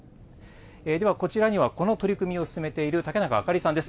ではこちらにはこの取り組みを進めている竹中あかりさんです。